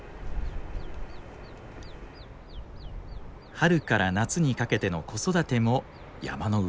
春から夏にかけての子育ても山の上。